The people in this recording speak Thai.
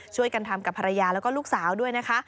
ช่วยกันทำกับภรรยาแล้วก็ลูกสาวด้วยนะคะ